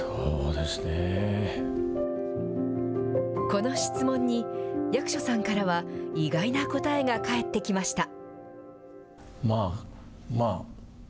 この質問に、役所さんからは意外な答えが返ってきました。